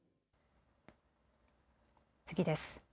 次です。